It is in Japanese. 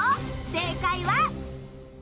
正解は。